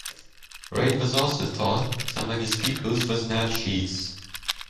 Reid also taught; among his pupils was Nan Sheets.